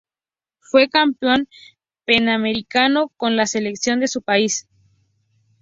Fue campeón panamericano con la selección de su país.